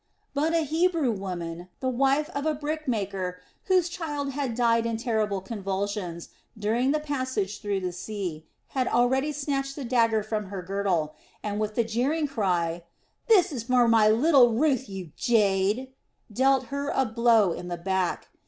But a Hebrew woman, the wife of a brickmaker whose child had died in terrible convulsions during the passage through the sea, had already snatched the dagger from her girdle, and with the jeering cry "This for my little Ruth, you jade!" dealt her a blow in the back.